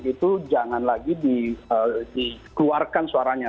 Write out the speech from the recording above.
itu jangan lagi dikeluarkan suaranya